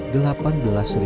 dengan kisah yang menarik